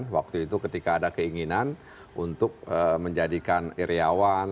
waktu itu ketika ada keinginan untuk menjadikan iryawan